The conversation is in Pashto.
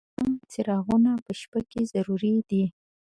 د رڼا څراغونه په شپه کې ضروري دي.